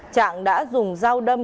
trạng đã dùng dao đâm